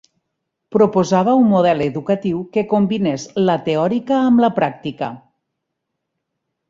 Proposava un model educatiu que combinés la teòrica amb la pràctica.